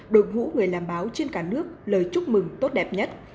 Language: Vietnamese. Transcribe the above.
đồng hữu người làm báo trên cả nước lời chúc mừng tốt đẹp nhất